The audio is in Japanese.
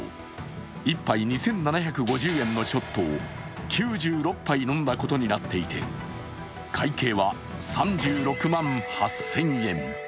１杯２７５０円のショットを９６杯飲んだことになっていて会計は３６万８０００円。